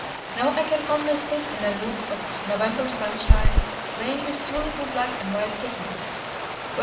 Now I can only sit in a nook of November sunshine, playing with two little black and white kittens.